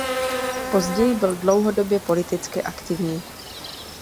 Později byl dlouhodobě politicky aktivní.